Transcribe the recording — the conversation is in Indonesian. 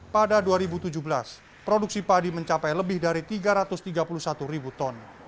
pada dua ribu tujuh belas produksi padi mencapai lebih dari tiga ratus tiga puluh satu ribu ton